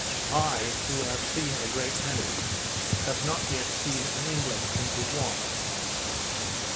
I, who have seen a great many, have not yet seen an inlet into one.